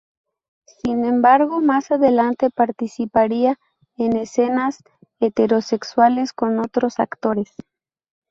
Sin embargo, más adelante participaría en escenas heterosexuales con otros actores.